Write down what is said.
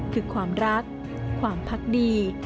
คือความรักความพักดี